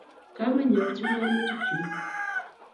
Kamenyu ak tilyonutikchu